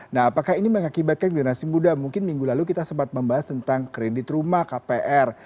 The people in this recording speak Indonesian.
nah apakah ini mengakibatkan generasi muda mungkin minggu lalu kita sempat membahas tentang kredit rumah kpr